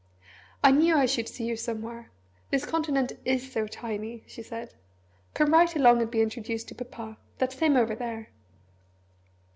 "I knew I should see you somewhere this continent is so tiny," she said. "Come right along and be introduced to Papa that's him over there."